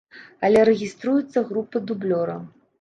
Але рэгіструецца група дублёра.